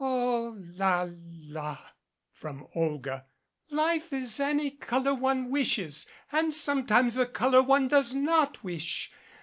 "Oh, la la !" from Olga. "Life is any color one wishes, and sometimes the color one does not wish.